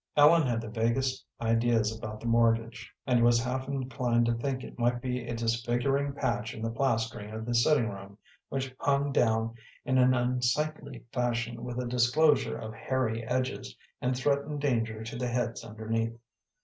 Ellen had the vaguest ideas about the mortgage, and was half inclined to think it might be a disfiguring patch in the plastering of the sitting room, which hung down in an unsightly fashion with a disclosure of hairy edges, and threatened danger to the heads underneath.